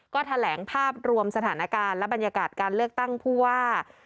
ก็แถลงภาพรวมสถานการณ์และบรรยากาศการเลือกตั้งผู้ว่า